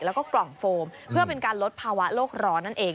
แล้วก็กล่องโฟมเพื่อเป็นการลดภาวะโลกร้อนนั่นเอง